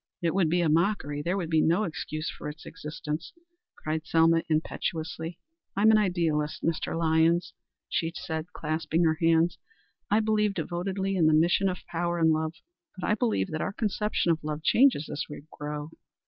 "It would be a mockery; there would be no excuse for its existence," cried Selma impetuously. "I am an idealist, Mr. Lyons," she said clasping her hands. "I believe devotedly in the mission and power of love. But I believe that our conception of love changes as we grow.